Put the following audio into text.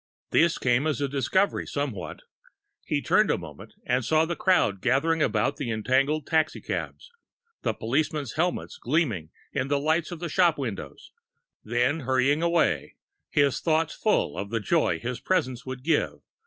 This came as a discovery somehow. He turned a moment, and saw the crowd gathered about the entangled taxicabs, policemen's helmets gleaming in the lights of the shop windows ... then hurried on again, his thoughts full of the joy his presents would give